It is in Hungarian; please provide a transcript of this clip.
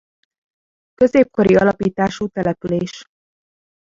Középkori alapítású település.